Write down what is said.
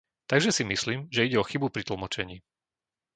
Takže si myslím, že ide o chybu pri tlmočení.